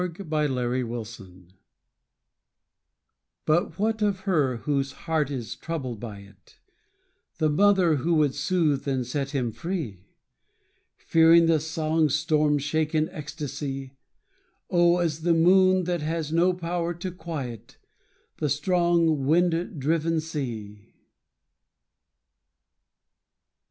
RIVERS TO THE SEA But what of her whose heart is troubled by it, The mother who would soothe and set him free, Fearing the song's storm shaken ecstasy Oh, as the moon that has no power to quiet The strong wind driven sea.